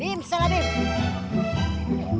bim salah bim